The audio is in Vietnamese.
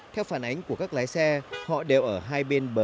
theo phản ánh của các lái xe họ đều ở hai bên bờ